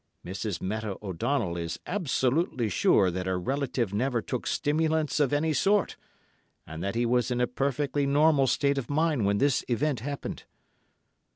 Mrs. Meta O'Donnell is absolutely sure that her relative never took stimulants of any sort, and that he was in a perfectly normal state of mind when this event happened.